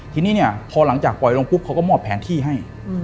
ทีนี้เนี่ยพอหลังจากปล่อยลงปุ๊บเขาก็มอบแผนที่ให้